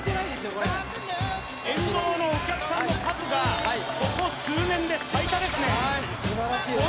これ沿道のお客さんの数がここ数年で最多ですねはい素晴らしいです